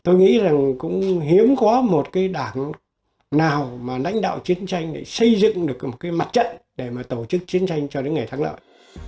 tôi nghĩ rằng cũng hiếm có một cái đảng nào mà lãnh đạo chiến tranh để xây dựng được một cái mặt trận để mà tổ chức chiến tranh cho đến ngày thắng lợi